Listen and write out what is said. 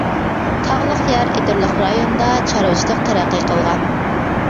تاغلىق يەر، ئېدىرلىق رايونىدا چارۋىچىلىقى تەرەققىي قىلغان.